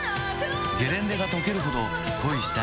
ゲレンデがとけるほど恋したい。